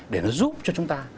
để nó giúp cho chúng ta